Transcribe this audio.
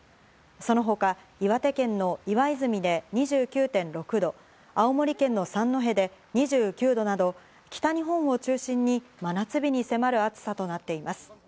その他、岩手県の岩泉で２９．６度、青森県の三戸で２９度など、北日本を中心に真夏日に迫る暑さとなっています。